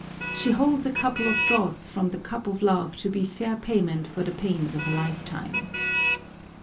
She holds a couple of draughts from the cup of love to be fair payment for the pains of a lifetime.